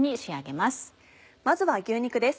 まずは牛肉です。